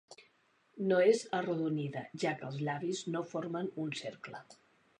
No és arrodonida, ja que els llavis no formen un cercle.